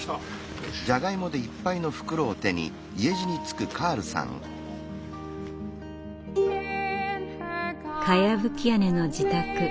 かやぶき屋根の自宅双鶴庵。